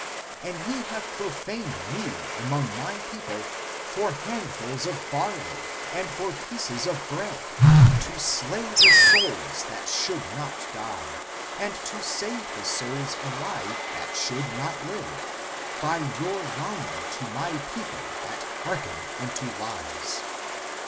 And ye have profaned Me among my people for handfuls of barley and for pieces of bread, to slay the souls that should not die, and to save the souls alive that should not live, by your lying to My people that hearken unto lies.